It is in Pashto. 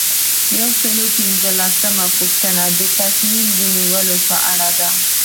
یو سل او پنځوسمه پوښتنه د تصمیم نیونې په اړه ده.